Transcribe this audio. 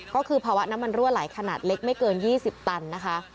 ก็คือภาวะน้ำมันรั่วไหลขนาดเล็กไม่เกิน๒๐ตันนะคะ